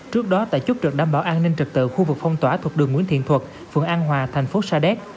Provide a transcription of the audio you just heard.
trước đó tại chốt trực đảm bảo an ninh trật tự khu vực phong tỏa thuộc đường nguyễn thiện thuật phường an hòa thành phố sa đéc